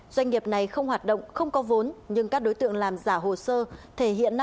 doanh nghiệp này không hoạt động không có vốn nhưng các đối tượng làm giả hồ sơ thể hiện năm hai nghìn một mươi bốn